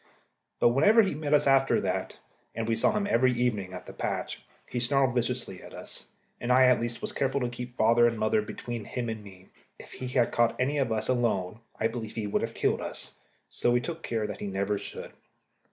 But whenever we met him after that and we saw him every evening at the patch he snarled viciously at us, and I, at least, was careful to keep father and mother between him and me. If he had caught any one of us alone, I believe he would have killed us; so we took care that he never should.